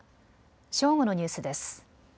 正午のニュースです。